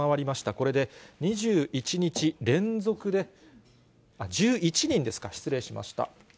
これで２１日連続で、１１人ですか、失礼しました。